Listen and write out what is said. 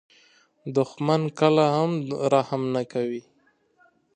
دښمن کله هم رحم نه کوي